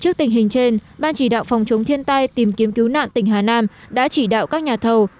trước tình hình trên ban chỉ đạo phòng chống thiên tai tìm kiếm cứu nạn tỉnh hà nam đã chỉ đạo các nhà thầu